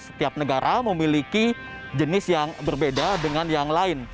setiap negara memiliki jenis yang berbeda dengan yang lain